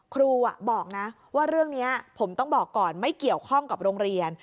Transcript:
ครูบอกนะว่าเรื่องนี้ผมต้องบอกก่อนไม่เกี่ยวข้องกับโรงเรียน